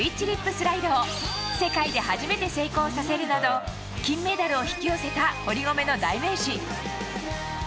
リップスライドを世界で初めて成功させるなど金メダルを引き寄せた堀米の代名詞。